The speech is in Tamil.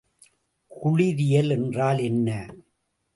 குளிரியல் என்றால் என்ன?